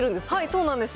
そうなんです。